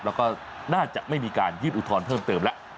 แล้วก็น่าจะไม่มีการยื่นอุทธรณ์เพิ่มเติมแล้ว